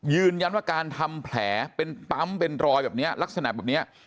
ยืนยันว่าการทำแผลเป็นปั๊มเป็นรอยแบบนี้ลักษณะแบบนี้